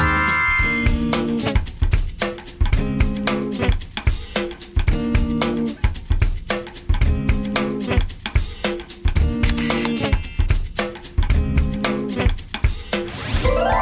เกลือเท่านั้นแหละครับเกลือเท่านั้นแหละครับ